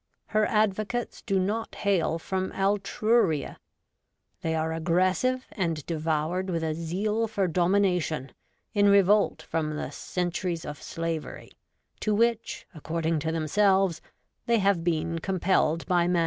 Her advocates do not hail from Altruria ; they are aggressive, and devoured with a zeal for domination, in revolt from the ' cen turies of slavery ' to which, according to themselves, they have been compelled by Man.